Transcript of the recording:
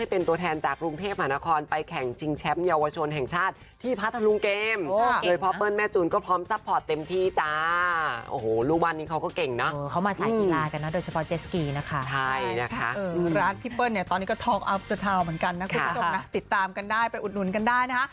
โปรดติดเลขทะเบียน